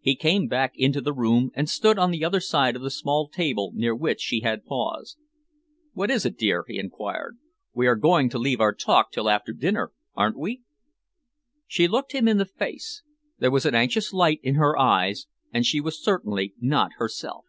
He came back into the room and stood on the other side of the small table near which she had paused. "What is it, dear?" he enquired. "We are going to leave our talk till after dinner, aren't we?" She looked him in the face. There was an anxious light in her eyes, and she was certainly not herself.